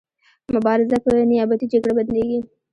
مبارزه په نیابتي جګړه بدلیږي.